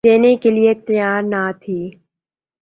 دینے کے لئے تیّار نہ تھی۔